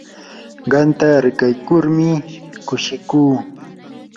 qamta rikaykurmi kushikuu.